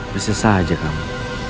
bersesah saja kamu